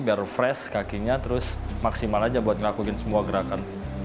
biar fresh kakinya terus maksimal aja buat ngelakuin semua gerakan